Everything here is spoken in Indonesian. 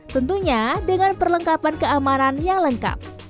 tentunya dengan perlengkapan keamanan yang lengkap